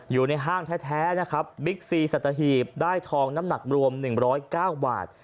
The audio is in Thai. อยู่ในห้างแท้นะครับบิ๊กซีสัตหีบได้ทองน้ำหนักรวม๑๐๙บาท